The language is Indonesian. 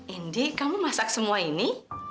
indi kamu masak semua ini